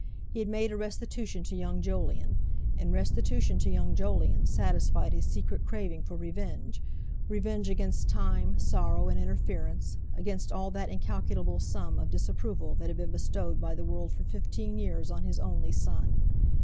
He had made a restitution to young Jolyon, and restitution to young Jolyon satisfied his secret craving for revenge—revenge against Time, sorrow, and interference, against all that incalculable sum of disapproval that had been bestowed by the world for fifteen years on his only son.